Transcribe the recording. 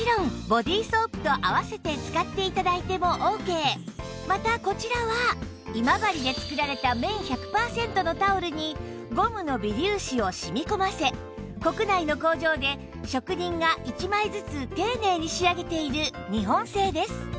もちろんまたこちらは今治で作られた綿１００パーセントのタオルにゴムの微粒子を染み込ませ国内の工場で職人が１枚ずつ丁寧に仕上げている日本製です